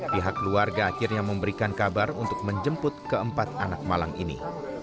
pihak keluarga akhirnya memberikan kabar untuk menjemput keempat anak malang ini